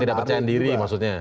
ketidakpercayaan diri maksudnya